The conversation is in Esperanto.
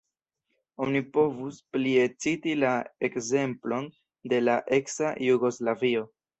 Oni povus plie citi la ekzemplon de la eksa Jugoslavio.